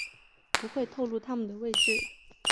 不会透漏他们的位置